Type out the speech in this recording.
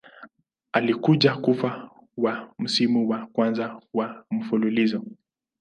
Alikuja kufa wa msimu wa kwanza wa mfululizo.